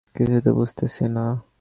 কিছুই তো বুঝতেছি না।